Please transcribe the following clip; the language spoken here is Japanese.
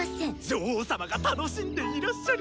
女王様が楽しんでいらっしゃる。